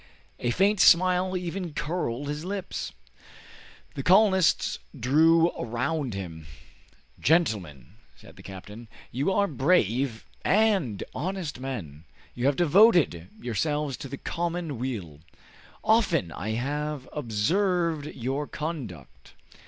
A faint smile even curled his lips. The colonists drew around him. "Gentlemen," said the captain, "you are brave and honest men. You have devoted yourselves to the common weal. Often have I observed your conduct.